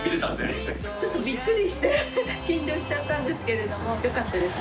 ちょっとびっくりして緊張しちゃったんですけれどもよかったです。